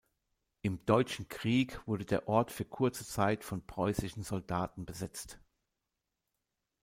Im Deutschen Krieg wurde der Ort für kurze Zeit von preußischen Soldaten besetzt.